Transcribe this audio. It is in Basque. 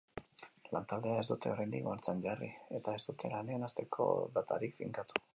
Lantaldea ez dute oraindik martxan jarri, eta ez dute lanean hastekodatarik finkatu.